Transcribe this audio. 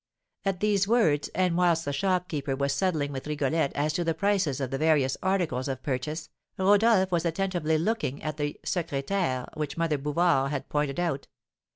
'" At these words, and whilst the shopkeeper was settling with Rigolette as to the prices of the various articles of purchase, Rodolph was attentively looking at the secrétaire which Mother Bouvard had pointed out.